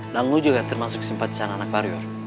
dan lu juga termasuk simpatis sana anak pariur